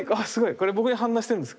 これ僕に反応してるんですか？